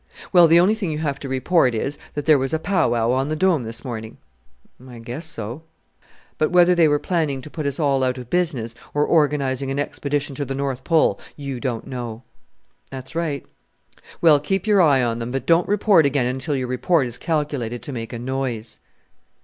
"Well, the only thing you have to report is, that there was a pow wow on the Dome this morning." "I guess so." "But whether they were planning to put us all out of business, or organizing an expedition to the North Pole you don't know." "That's right." "Well, keep your eye on them, but don't report again until your report is calculated to make a noise."